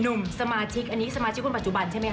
๔หนุ่มสมาชิกอันนี้สมาชิกคุณปัจจุบันใช่ไหมฮะ